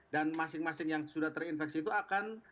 dan masing masing yang sudah terinfeksi itu akan